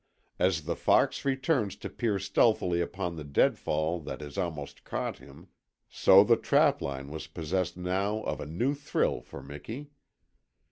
As the fox returns to peer stealthily upon the deadfall that has almost caught him, so the trapline was possessed now of a new thrill for Miki.